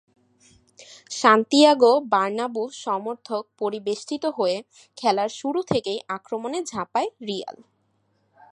Santiago Bernabeu সমর্থক পরিবেষ্টিত হয়ে খেলার শুরু থেকেই আক্রমণে ঝাঁপায় রিয়াল।